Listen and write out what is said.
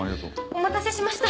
お待たせしました。